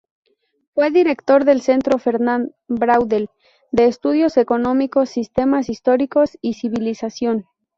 Fue director del Centro Fernand Braudel de estudios económicos, sistemas históricos y civilización.